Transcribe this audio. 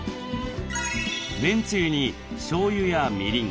麺つゆにしょうゆやみりん